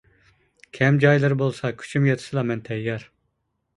كەم جايلىرى بولسا، كۈچۈم يەتسىلا مەن تەييار.